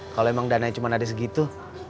kalo emang dananya cuma ada segitu